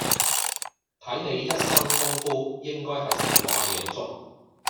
睇你一身功夫，應該係食過吓夜粥